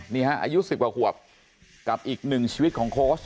นี่ฮะอายุ๑๐กว่าขวบกับอีกหนึ่งชีวิตของโค้ช